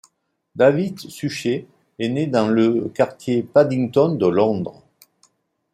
David Suchet est né le dans le quartier Paddington de Londres.